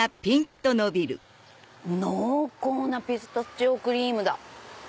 濃厚なピスタチオクリームだ。